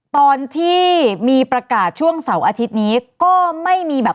ตอนที่มีประกาศช่วงเสาร์อาทิตย์นี้ก็ไม่มีแบบ